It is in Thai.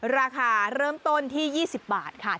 ราคาเริ่มต้นที่๒๐บาทค่ะ